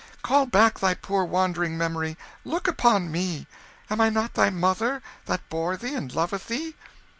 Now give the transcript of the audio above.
Call back thy poor wandering memory. Look upon me. Am not I thy mother that bore thee, and loveth thee?"